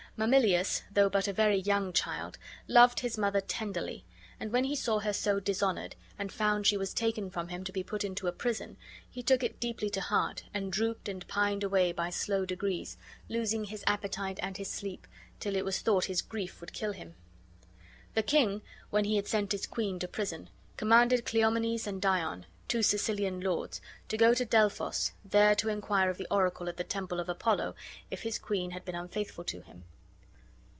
Mamillius, though but a very young child, loved his mother tenderly; and when he saw her so dishonored, and found she was taken from him to be put into a prison, he took it deeply to heart and drooped and pined away by slow degrees, losing his appetite and his sleep, till it was thought his grief would kill him. The king, when he had sent his queen to prison, commanded Cleomenes and Dion, two Sicilian lords, to go to Delphos, there to inquire of the oracle at the temple of Apollo if his queen had been unfaithful to him.